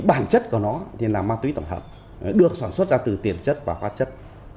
bản chất của nó là ma túy tổng hợp được sản xuất ra từ tiền chất và khoát chất